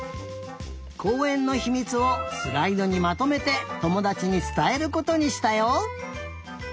こうえんのひみつをスライドにまとめてともだちにつたえることにしたよ。